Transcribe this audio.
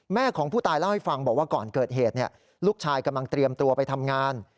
ของผู้ตายเล่าให้ฟังบอกว่าก่อนเกิดเหตุลูกชายกำลังเตรียมตัวไปทำงาน